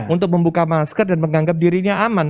untuk membuka masker dan menganggap dirinya aman